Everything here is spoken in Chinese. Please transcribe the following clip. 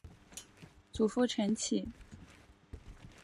祖父陈启。